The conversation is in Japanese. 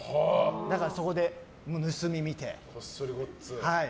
だから、そこで盗み見て。